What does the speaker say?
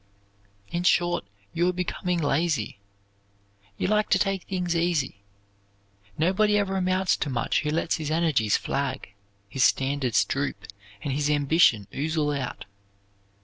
"In short, you are becoming lazy. You like to take things easy. Nobody ever amounts to much who lets his energies flag, his standards droop and his ambition ooze out.